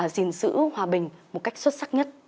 gìn giữ hòa bình một cách xuất sắc nhất